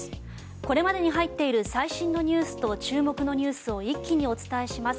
これまでに入っている最新ニュースと注目ニュースを一気にお伝えします。